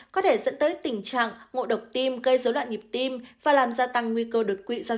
có thể dẫn tới tình trạng ngộ độc tim gây dối loạn nhịp tim và làm gia tăng nguy cơ đột quỵ do